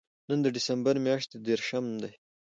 نن د دېسمبر میاشتې درېرشم دی